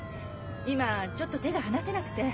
今ちょっと手が離せなくて。